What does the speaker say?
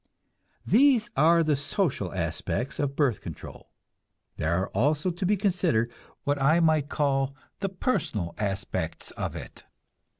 These are the social aspects of birth control. There are also to be considered what I might call the personal aspects of it.